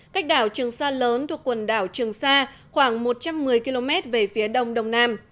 cách đảo trường sa lớn thuộc quần đảo trường sa khoảng một trăm một mươi km về phía đông đông nam